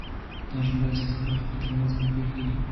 دا جملې د سياست او حقيقت تر منځ توپير ښيي.